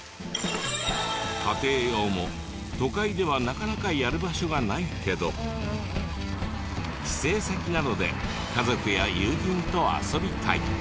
家庭用も都会ではなかなかやる場所がないけど帰省先などで家族や友人と遊びたい。